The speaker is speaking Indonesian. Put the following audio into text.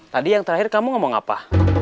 tadi yang terakhir kamu ngomong apa